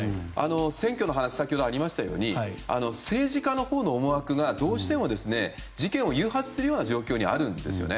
選挙の話が先ほどありましたように政治家のほうも思惑がどうしても事件を誘発するような状況にあるんですね。